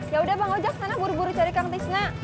ya udah bang ojek karena buru buru cari kang tisna